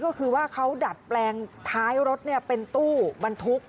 ก็คือว่าเขาดัดแปลงท้ายรถเป็นตู้บรรทุก